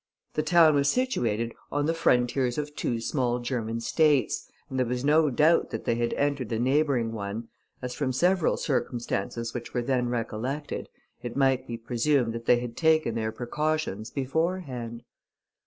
The town was situated on the frontiers of two small German states, and there was no doubt that they had entered the neighbouring one, as, from several circumstances which were then recollected, it might be presumed that they had taken their precautions beforehand.